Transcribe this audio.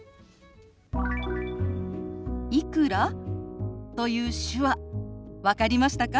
「いくら？」という手話分かりましたか？